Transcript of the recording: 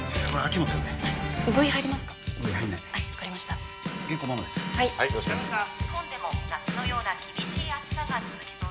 日本でも夏のような厳しい暑さが続きそうです。